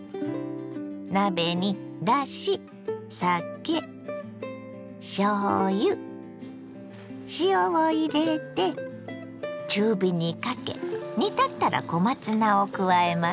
鍋にだし酒しょうゆ塩を入れて中火にかけ煮立ったら小松菜を加えます。